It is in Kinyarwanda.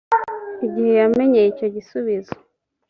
igihe yamenyeye icyo gisubizo